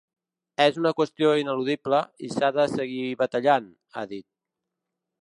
És una qüestió ineludible i s’ha de seguir batallant, ha dit.